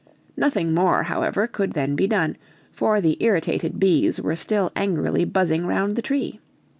Nothing more, however, could then be done, for the irritated bees were still angrily buzzing round the tree.